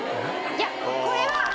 いやこれは。